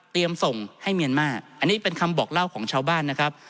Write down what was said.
ส่งให้เมียนมาอันนี้เป็นคำบอกเล่าของชาวบ้านนะครับ